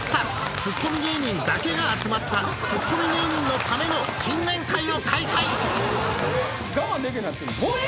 ツッコミ芸人だけが集まったツッコミ芸人のための新年会を開催ハハハハ！